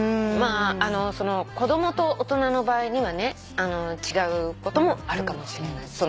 まあ子供と大人の場合にはね違うこともあるかもしれない。